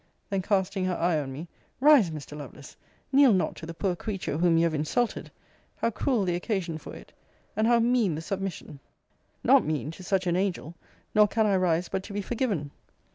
Then casting her eye on me, Rise, Mr. Lovelace kneel not to the poor creature whom you have insulted! How cruel the occasion for it! And how mean the submission! Not mean to such an angel! Nor can I rise but to be forgiven!